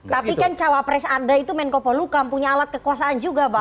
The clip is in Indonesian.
tapi kan cawapres anda itu menko polukam punya alat kekuasaan juga pak